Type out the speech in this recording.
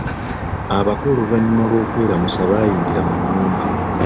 Abako oluvannyuma lw'okwelamusa baayingira mu nnyumba.